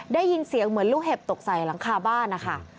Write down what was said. ได้ยินเสียงเหมือนลูกเห็บตกใส่หลังคาบ้านนะคะ